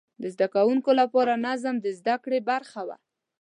د زده کوونکو لپاره نظم د زده کړې برخه وه.